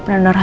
aku juga mau